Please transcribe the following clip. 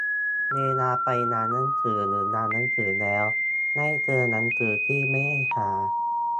เวลาไปร้านหนังสือหรืองานหนังสือแล้วได้เจอหนังสือที่ไม่ได้หา